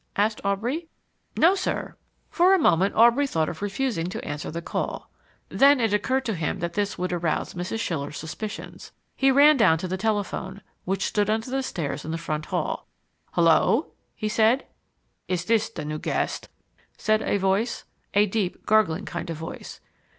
asked Aubrey. "No, sir." For a moment Aubrey thought of refusing to answer the call. Then it occurred to him that this would arouse Mrs. Schiller's suspicions. He ran down to the telephone, which stood under the stairs in the front hall. "Hello," he said. "Is this the new guest?" said a voice a deep, gargling kind of voice.